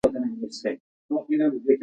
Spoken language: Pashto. تاریخ د خپل کرښې نه تیریږي.